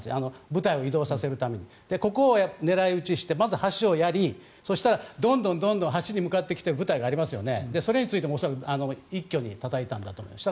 部隊を移動させるためにここを狙い撃ちしてまず橋をやりどんどん橋に向かっている部隊があってそれに対しても一挙にたたいたんだと思います。